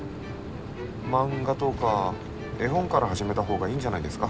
漫画とか絵本から始めた方がいいんじゃないですか？